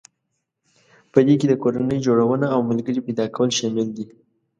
په دې کې د کورنۍ جوړونه او ملګري پيدا کول شامل دي.